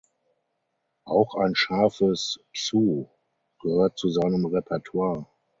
Auch ein scharfes "psu" gehört zu seinem Repertoire.